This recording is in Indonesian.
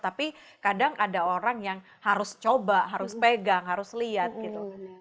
tapi kadang ada orang yang harus coba harus pegang harus lihat gitu